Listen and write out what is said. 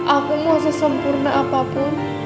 aku mau sesempurna apapun